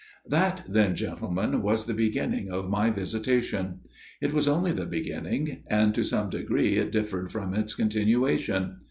" That then, gentlemen, was the beginning of my visitation. It was only the beginning, and to some degree differed from its continuation.